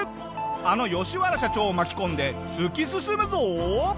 あのヨシワラ社長を巻き込んで突き進むぞ！